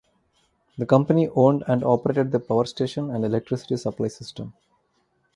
The company owned and operated the power station and electricity supply system.